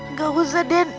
nggak usah den